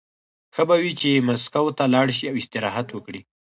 ښه به وي چې مسکو ته لاړ شي او استراحت وکړي